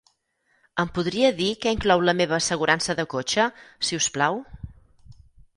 Em podria dir que inclou la meva assegurança de cotxe si us plau?